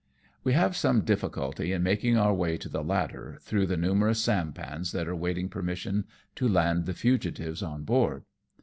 "We have some difficulty in making our way to the ladder, through the numerous sampans that are await ing permission to land the fugitives on board.